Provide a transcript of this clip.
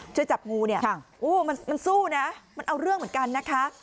ช่วยจับงูเนี่ยโอ้มันสู้นะมันเอาเรื่องเหมือนกันนะคะ